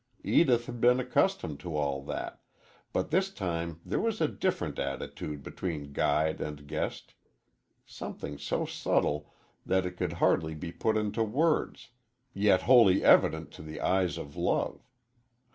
Edith had been accustomed to all that, but this time there was a different attitude between guide and guest something so subtle that it could hardly be put into words, yet wholly evident to the eyes of love.